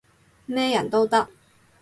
咩人都得